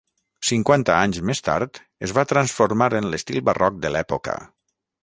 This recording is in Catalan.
Cinquanta anys més tard, es va transformar en l'estil barroc de l'època.